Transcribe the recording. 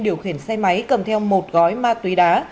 điều khiển xe máy cầm theo một gói ma túy đá